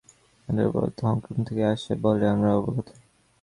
বাংলাদেশের পোশাক রপ্তানি অর্ডারের প্রায় অর্ধেক হংকং থেকে আসে বলে আমরা অবগত।